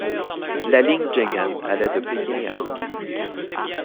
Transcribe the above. La ligne Jinghan allait de Pékin à Hankou.